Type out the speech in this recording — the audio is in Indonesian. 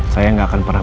saya gak akan pernah